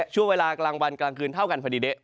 ช่วงเวลากลางวันกลางคืนเท่ากันพอดีเดะ